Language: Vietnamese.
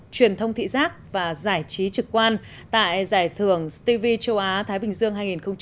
truyền thông thị giác và giải trí trực quan tại giải thưởng stevie châu á thái bình dương hai nghìn một mươi tám